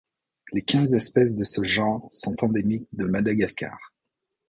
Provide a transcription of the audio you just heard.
Les quinze espèces de ce genre sont endémiques de Madagascar.